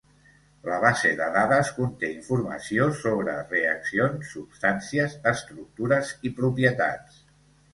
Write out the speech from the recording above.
La base de dades conté informació sobre reaccions, substàncies, estructures i propietats.